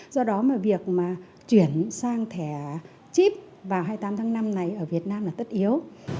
do đó mà việc mà chuyển sang thẻ chip vào hai mươi tám tháng năm này ở việt nam là tất yếu